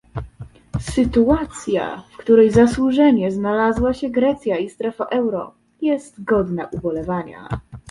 Sytuacja, w której zasłużenie znalazła się Grecja i strefa euro, jest godna ubolewania